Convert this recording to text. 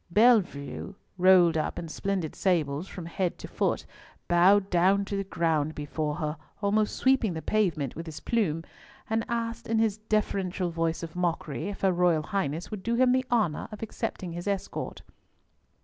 Bellievre, rolled up in splendid sables from head to foot, bowed down to the ground before her, almost sweeping the pavement with his plume, and asked in his deferential voice of mockery if her Royal Highness would do him the honour of accepting his escort.